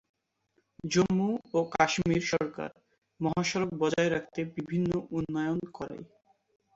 জম্মু ও কাশ্মীর সরকার মহাসড়ক বজায় রাখতে বিভিন্ন উন্নয়ন করে।